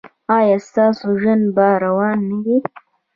ایا ستاسو ژوند به روان نه وي؟